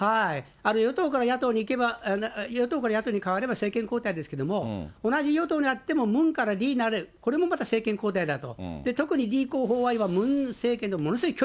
与党から野党にいえば、いけば、与党から野党にかわれば政権交代ですけど、同じ与党でもムンからリになる、これもまた政権交代だと。